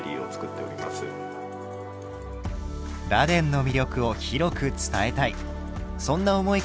螺鈿の魅力を広く伝えたい。